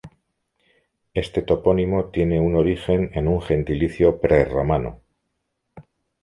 Este topónimo tiene un origen en un gentilicio prerromano.